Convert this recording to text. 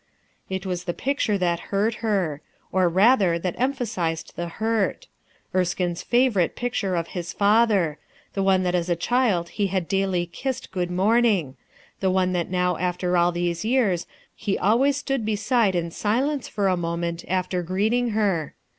It was the picture that hurt her; or rather that emphasized the hurt. Erskme's favorite picture of his father; 156 RUTH ERSKINE'S SON the one that as a child he had daily kissed p morning; the one that now after all these y e he always stood beside in silence for a mom after greet ing her.